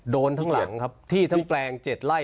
โดนทั้งหลังครับที่ทั้งแปลง๗ไร่